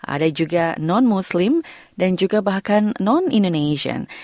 ada juga non muslim dan juga bahkan non indonesian